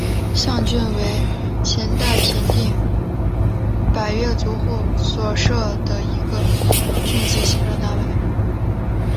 象郡为秦代在平定百越族后所设的一个郡级行政单位。